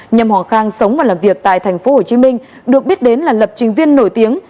nhâm hoàng khang sống và làm việc tại tp hcm được biết đến là lập trình viên nổi tiếng